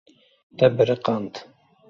Te biriqand.